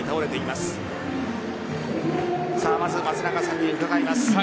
まず松中さんに伺います。